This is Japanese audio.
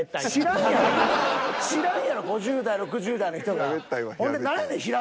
知らんやろ５０代６０代の人が。